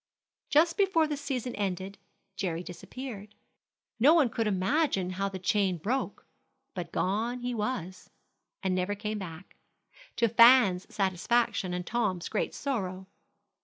Just before the season ended, Jerry disappeared. No one could imagine how the chain broke, but gone he was, and never came back, to Fan's satisfaction and Tom's great sorrow.